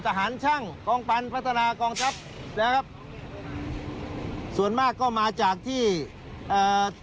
ทหารช่างกองปันพัฒนากองทัพนะครับส่วนมากก็มาจากที่เอ่อ